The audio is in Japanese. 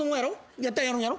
やったらやるんやろ？